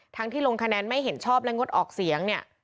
ที่ลงคะแนนไม่เห็นชอบและงดออกเสียงเนี่ย